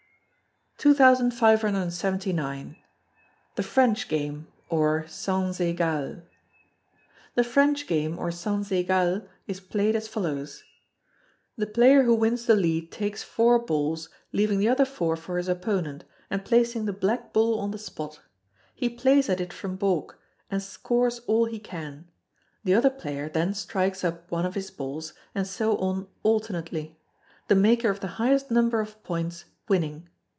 2579. The French Game (or Sans Egal). The French Game (or Sans Egal) is played as follows: The player who wins the lead takes four balls, leaving the other four for his opponent, and placing the black ball on the spot. He plays at it from baulk, and scores all he can. The other player then strikes up one of his balls, and so on alternately; the maker of the highest number of points winning.